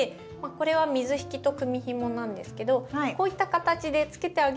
これは水引と組みひもなんですけどこういった形でつけてあげると。わすごい！